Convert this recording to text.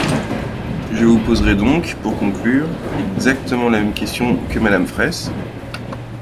Je vous poserai donc, pour conclure, exactement la même question que Madame Fraysse.